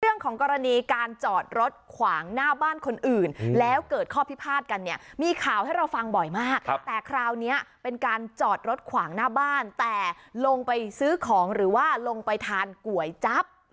เรื่องของกรณีการจอดรถขวางหน้าบ้านคนอื่นแล้วเกิดข้อพิพาทกันเนี่ยมีข่าวให้เราฟังบ่อยมากแต่คราวนี้เป็นการจอดรถขวางหน้าบ้านแต่ลงไปซื้อของหรือว่าลงไปทานก๋วยจั๊บ